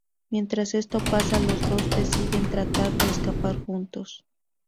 Mientras esto pasa, los dos deciden tratar de escapar juntos.